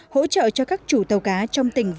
hỗ trợ cho các chủ tàu cá trong tỉnh